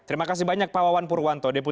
terima kasih banyak pak wawan purwanto